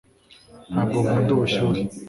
ntabwo nkunda ubushyuhe